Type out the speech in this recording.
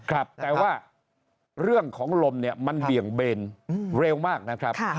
ครับแต่ว่าเรื่องของลมเนี่ยมันเบี่ยงเบนเร็วมากนะครับ